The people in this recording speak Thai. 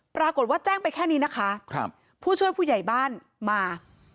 ปรากฏว่าแจ้งไปแค่นี้นะคะครับผู้ช่วยผู้ใหญ่บ้านมา